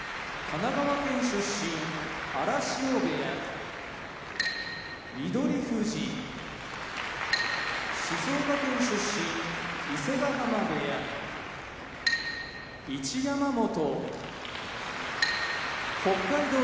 神奈川県出身荒汐部屋翠富士静岡県出身伊勢ヶ濱部屋一山本北海道